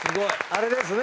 あれですね